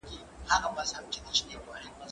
که وخت وي، مځکي ته ګورم!؟